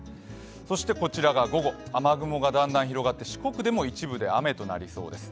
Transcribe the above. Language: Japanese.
そしてこちらが午後、雨雲がだんだん広がって四国でも一部雨となりそうです。